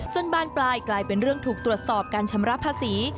บานปลายกลายเป็นเรื่องถูกตรวจสอบการชำระภาษี